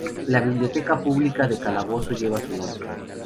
La biblioteca pública de Calabozo lleva su nombre.